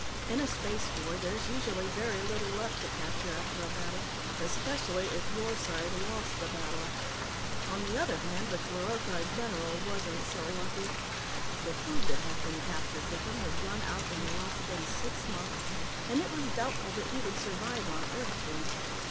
In a space war, there's usually very little left to capture after a battle especially if your side lost the battle. On the other hand, the Kerothi general wasn't so lucky. The food that had been captured with him would run out in less than six months, and it was doubtful that he would survive on Earth food.